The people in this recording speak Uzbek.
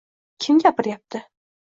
Kim gapiryapti?